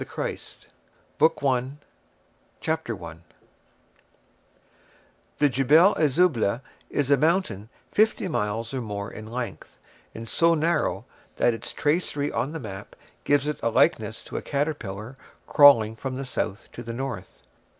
The Crucifixion BOOK FIRST CHAPTER I The Jebel es Zubleh is a mountain fifty miles and more in length, and so narrow that its tracery on the map gives it a likeness to a caterpillar crawling from the south to the north.